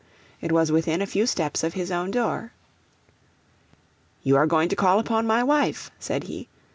It was within a few steps of his own door. 'You are going to call upon my wife,' said he.